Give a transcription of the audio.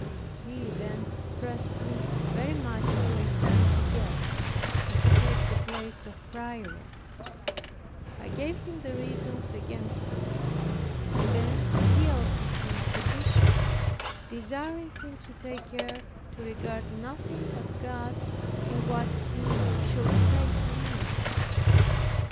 He then pressed me very much to return to Gex and to take the place of Prioress. I gave him the reasons against it. I then appealed to him, as a bishop, desiring him to take care to regard nothing but God in what he should say to me.